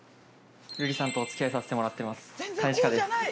るりさんとお付き合いさせてもらってます兼近です。